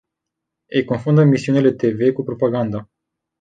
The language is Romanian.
Ei confundă emisiunile te ve cu propaganda.